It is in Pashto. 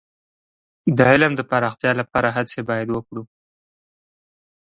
د علم د پراختیا لپاره هڅې باید وکړو.